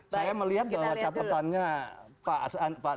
saya melihat bahwa catatannya pak sandi lah yang tidak sama